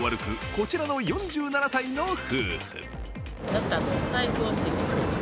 こちらの４７歳の夫婦。